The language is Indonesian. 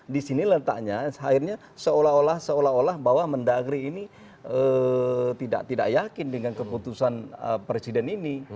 di sini letaknya akhirnya seolah olah bahwa mendagri ini tidak yakin dengan keputusan presiden ini